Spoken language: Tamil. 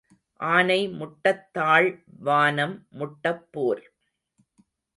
ஆனை முட்டத் தாள் வானம் முட்டப் போர்.